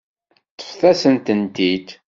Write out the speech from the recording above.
Ṭṭfet-asent-tent-id.